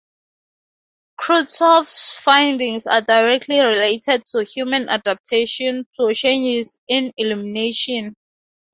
Kruithof's findings are directly related to human adaptation to changes in illumination.